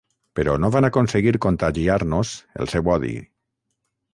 Però no van aconseguir contagiar-nos el seu odi.